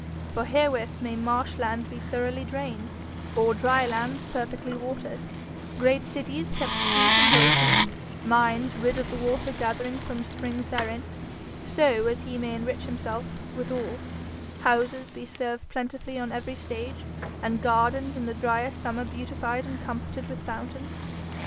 For herewith may marsh land be thoroughly drained, or dry land perfectly watered; great cities kept sweet and wholesome; mines rid of the water gathering from springs therein, so as he may enrich himself withal; houses be served plentifully on every stage; and gardens in the dryest summer beautified and comforted with fountains.